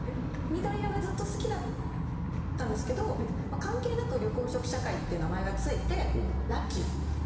緑色がずっと好きだったんですけど関係なく緑黄色社会って名前がついてラッキーって。